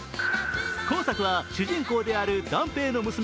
今作は主人公である弾平の娘